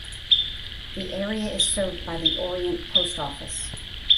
The area is served by the Orient post office.